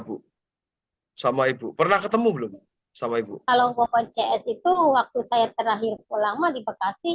bu sama ibu pernah ketemu belum sama ibu kalau bapak cs itu waktu saya terakhir pulang mah di bekasi